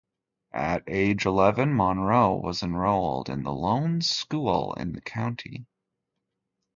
At age eleven, Monroe was enrolled in the lone school in the county.